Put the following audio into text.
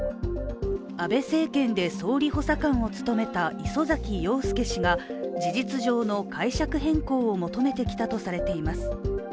安倍政権で総理補佐官を務めた礒崎陽輔氏が事実上の解釈変更を求めてきたとされています。